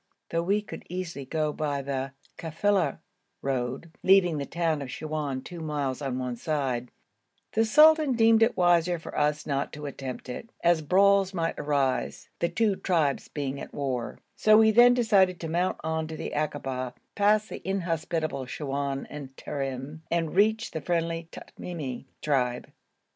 Though we could easily go by the kafila road, leaving the town of Siwoun two miles on one side, the sultan deemed it wiser for us not to attempt it, as brawls might arise, the two tribes being at war; so we then decided to mount on to the akaba, pass the inhospitable Siwoun and Terim, and reach the friendly Tamimi tribe.